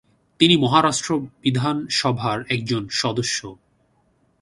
তিনি মহারাষ্ট্র বিধানসভার একজন সদস্য।